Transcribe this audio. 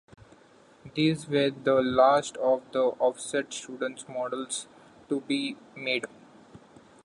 These were the last of the offset student models to be made.